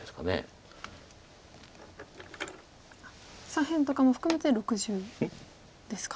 左辺とかも含めて６０ですか。